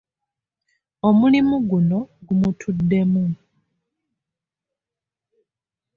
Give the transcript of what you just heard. Omulimu guno gumutuddemu.